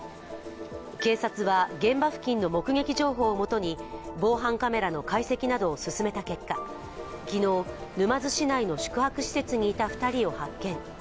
警察は現場付近の目撃情報をもとに防犯カメラの解析などを進めた結果、昨日、沼津市内の宿泊施設にいた２人を発見。